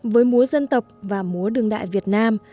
với múa dân tộc và múa đương đại việt nam